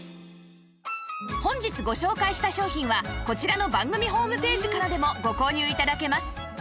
本日ご紹介した商品はこちらの番組ホームページからでもご購入頂けます